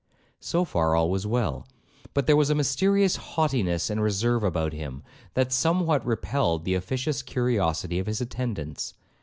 So far all was well; but there was a mysterious haughtiness and reserve about him, that somewhat repelled the officious curiosity of his attendants.